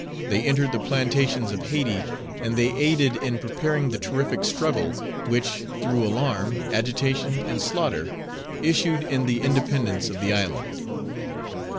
They entered the plantations of Hayti, and they aided in preparing the terrific struggle, which, through alarm, agitation, and slaughter, issued in the independence of the island.